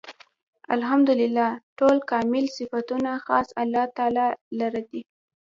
الحمد لله . ټول کامل صفتونه خاص الله تعالی لره دی